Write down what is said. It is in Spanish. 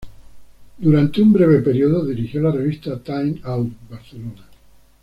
Durante un breve periodo dirigió la revista "Time Out Barcelona.